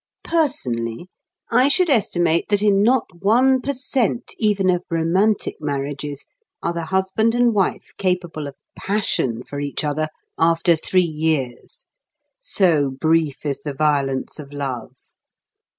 Personally, I should estimate that in not one per cent. even of romantic marriages are the husband and wife capable of passion for each other after three years. So brief is the violence of love!